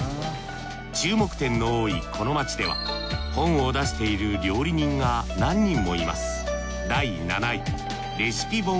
注目店の多いこの街では本を出している料理人が何人もいます